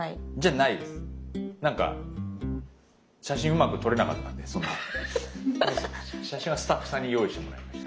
なんか写真うまく撮れなかったんでその写真はスタッフさんに用意してもらいました。